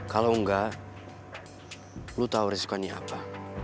kalau enggak lu tahu resiko ini apa